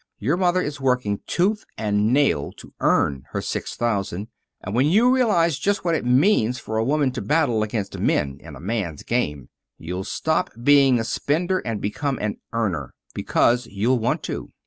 Your mother is working tooth and nail to earn her six thousand, and when you realize just what it means for a woman to battle against men in a man's game, you'll stop being a spender, and become an earner because you'll want to.